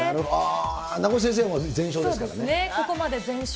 名越先生も全勝ですからね。